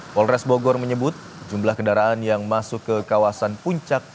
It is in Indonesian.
polres bogor menyebut jumlah kendaraan yang masuk ke kawasan puncak